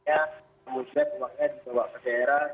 kita dimanfaatkan bagi perekonomian daerah untuk